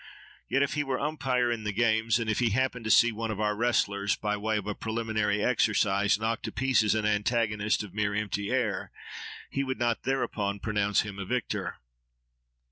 Yet if he were umpire in the games, and if he happened to see one of our wrestlers, by way of a preliminary exercise, knock to pieces an antagonist of mere empty air, he would not thereupon pronounce him a victor.